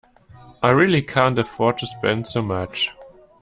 I really can’t afford to spend so much